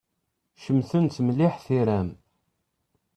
Cemtent mliḥ tira-m.